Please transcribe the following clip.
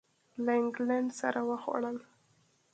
له اینګلینډ سره وخوړل.